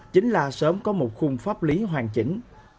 chính là sớm có một khung pháp lý hoàn chỉnh